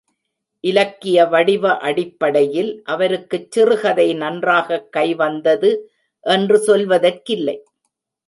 இலக்கிய வடிவ அடிப்படையில் அவருக்குச் சிறுகதை நன்றாக கைவந்தது என்று சொல்வதற்கில்லை.